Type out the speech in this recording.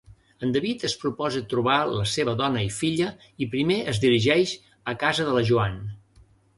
En David es proposa trobar la seva dona i filla i primer es dirigeix a casa de la Joanne.